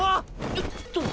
よっと。